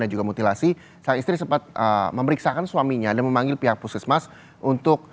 juga mutilasi sang istri sempat memeriksakan suaminya dan memanggil pihak puskesmas untuk